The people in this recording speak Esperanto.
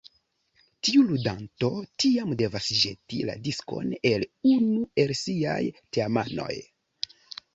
Tiu ludanto tiam devas ĵeti la diskon al unu el siaj teamanoj.